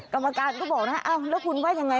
กรรมการก็บอกนะแล้วคุณว่ายังไง